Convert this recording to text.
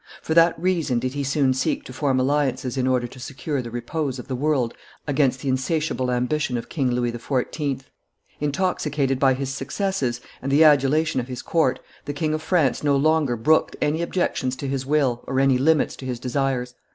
For that reason did he soon seek to form alliances in order to secure the repose of the world against the insatiable ambition of King Louis XIV. Intoxicated by his successes and the adulation of his court, the King of France no longer brooked any objections to his will or any limits to his desires.